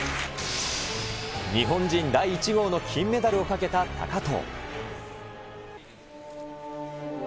日本人第１号の金メダルをかけた高藤。